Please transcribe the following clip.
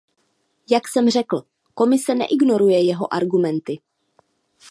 Jak jsem řekl, Komise neignoruje jeho argumenty.